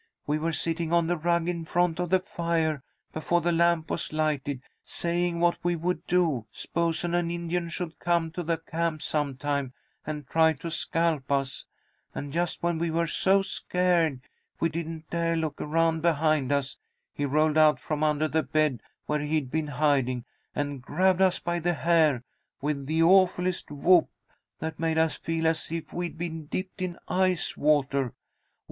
We were sitting on the rug in front of the fire, before the lamp was lighted, saying what would we do s'posen an Indian should come to the camp sometime, and try to scalp us, and just when we were so scared we didn't dare look around behind us, he rolled out from under the bed where he'd been hiding, and grabbed us by the hair, with the awfullest whoop, that made us feel as if we'd been dipped in ice water.